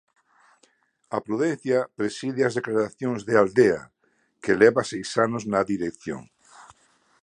A prudencia preside as declaracións de Aldea, que leva seis anos na dirección.